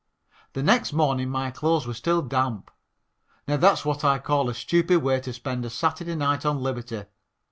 The next morning my clothes were still damp. Now, that's what I call a stupid way to spend a Saturday night on liberty.